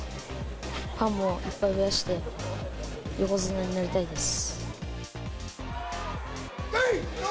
ファンもいっぱい増やして、横綱になりたいです。